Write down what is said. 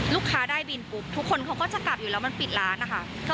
ได้บินปุ๊บทุกคนเขาก็จะกลับอยู่แล้วมันปิดร้านนะคะ